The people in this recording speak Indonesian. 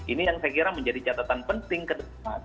ini yang saya kira menjadi catatan penting ke depan